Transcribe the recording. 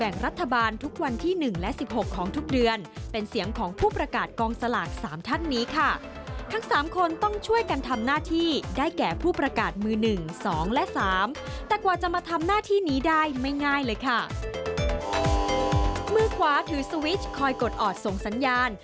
มือขวาถือสวิชคอยกดออดส่งสัญญาณ